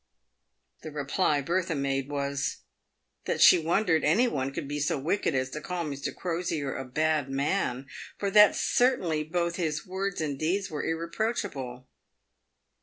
The reply Bertha made was, that she wondered any one could be so wicked as to call Mr. Crosier a bad man, for that certainly both his words and his deeds were irreproachable.